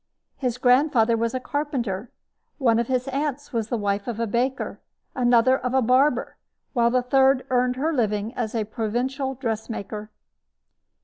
His grandfather was a carpenter. One of his aunts was the wife of a baker, another of a barber, while the third earned her living as a provincial dressmaker.